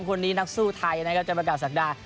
๓คนนี้นักสู้ไทยจะบังคับสักดา